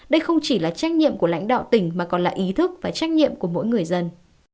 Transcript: đây không chỉ là trách nhiệm của lãnh đạo tỉnh mà còn là ý thức và trách nhiệm của mỗi người dân